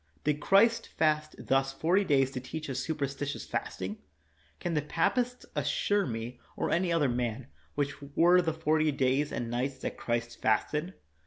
Did Christ fast thus forty days to teach us superstitious fasting? Can the papists assure me, or any other man, which were the forty days and nights that Christ fasted?